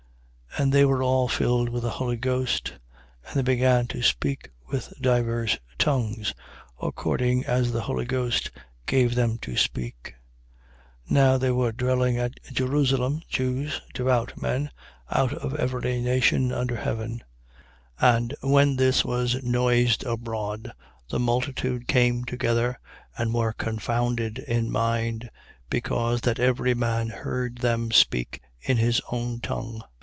2:4. And they were all filled with the Holy Ghost: and they began to speak with divers tongues, according as the Holy Ghost gave them to speak. 2:5. Now there were dwelling at Jerusalem, Jews, devout men, out of every nation under heaven. 2:6. And when this was noised abroad, the multitude came together, and were confounded in mind, because that every man heard them speak in his own tongue.